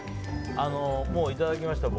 僕、いただきました。